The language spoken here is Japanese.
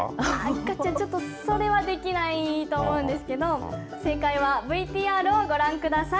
がっちゃんそれはできないと思うんですけど正解はＶＴＲをご覧ください。